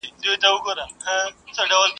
تاسي باید د خپلو بوټانو تلي پاک وساتئ.